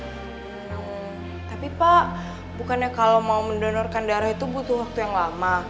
hmm tapi pak bukannya kalau mau mendonorkan darah itu butuh waktu yang lama